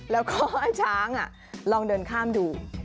แล้วก็ให้ช้างลองเดินข้ามดู